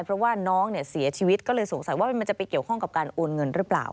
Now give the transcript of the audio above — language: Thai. เพราะว่าน้องเนี่ยเสียชีวิตก็เลยสงสัยว่ามันจะไปเกี่ยวข้องกับการโอนเงินหรือเปล่า